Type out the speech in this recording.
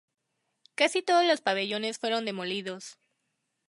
Casi todos los pabellones fueron demolidos.